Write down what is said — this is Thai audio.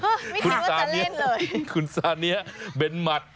ไม่รู้ว่าจะเล่นเลยคุณซานเงี๊ยเบ็นมัตร